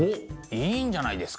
いいんじゃないですか？